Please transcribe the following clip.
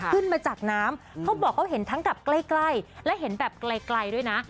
ขึ้นมาจากน้ำเขาบอกเขาเห็นทั้งกับใกล้และเห็นแบบไกลด้วยนะ